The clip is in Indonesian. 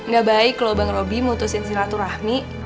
gak baik loh bang roby mutusin silaturahmi